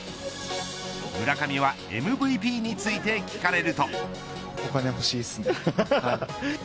村上はＭＶＰについて聞かれると。